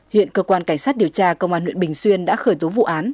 hiện cơ quan cảnh sát điều tra công an huyện bình xuyên đã khởi tố vụ án